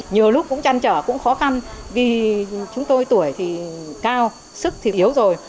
nhiều lúc cũng chăn trở cũng khó khăn vì chúng tôi tuổi thì cao sức thì yếu rồi